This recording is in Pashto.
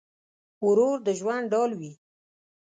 ورور د ژوند ډال وي.